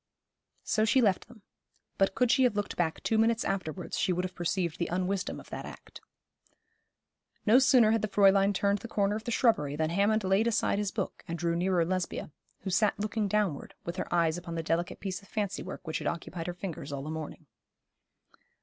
So she left them; but could she have looked back two minutes afterwards she would have perceived the unwisdom of that act. No sooner had the Fräulein turned the corner of the shrubbery than Hammond laid aside his book and drew nearer Lesbia, who sat looking downward, with her eyes upon the delicate piece of fancy work which had occupied her fingers all the morning.